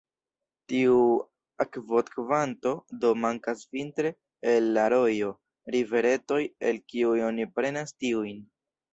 Tiu akvokvanto do mankas vintre el la rojoj, riveretoj, el kiuj oni prenas tiujn.